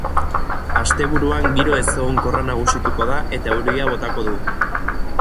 Asteburuan giro ezegonkorra nagusituko da eta euria botako du.